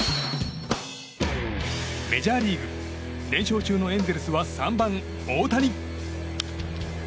メジャーリーグ、連勝中のエンゼルスは３番、大谷！